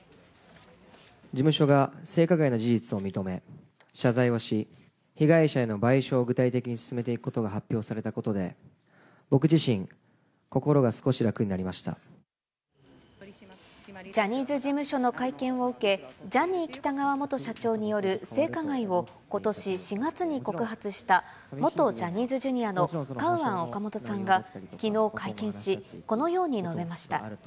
事務所が性加害の事実を認め、謝罪をし、被害者への賠償を具体的に進めていくことが発表されたことで、僕自身、ジャニーズ事務所の会見を受け、ジャニー喜多川元社長による性加害をことし４月に告発した、元ジャニーズＪｒ．のカウアン・オカモトさんがきのう、会見し、このように述べました。